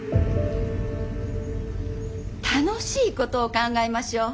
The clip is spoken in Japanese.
楽しいことを考えましょう。